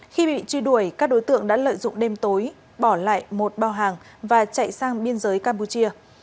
khi bị truy đuổi các đối tượng đã lợi dụng đêm tối bỏ lại một bao hàng và chạy sang biên giới campuchia